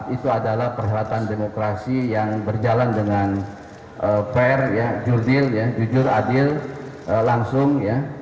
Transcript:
itu adalah perhatian demokrasi yang berjalan dengan fair jujur adil langsung